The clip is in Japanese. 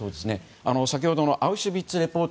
先ほどの「アウシュヴィッツ・レポート」